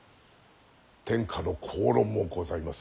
天下の公論もございます